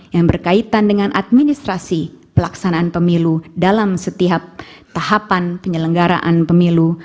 yang berkaitan dengan administrasi pelaksanaan pemilu dalam setiap tahapan penyelenggaraan pemilu